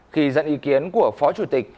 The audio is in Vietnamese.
khi dẫn ý kiến của phó chủ tịch